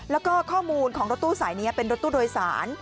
แล้วก็ข้อมูลของรถตู้สายนี้เป็นรถตู้โดยสาร